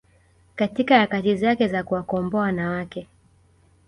katika harakati zake za kuwakomboa wanawake